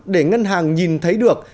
để ngân hàng nhìn thấy được